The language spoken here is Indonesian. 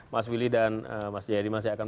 mas willy dan mas jayadi masih akan